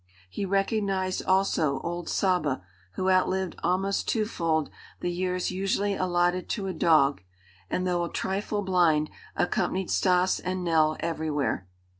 He recognized also old Saba, who outlived almost two fold the years usually allotted to a dog and, though a trifle blind, accompanied Stas and Nell everywhere.